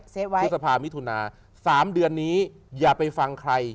พฤษภามิถุนา๓เดือนนี้อย่าไปฟังใคร